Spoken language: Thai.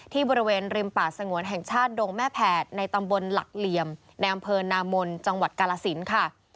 ที่บริเวณริมป่าสงวนแห่งชาติดงแม่แผดในตำบลหลักเหลี่ยมในอำเภอนามนจังหวัดกาลสินค่ะ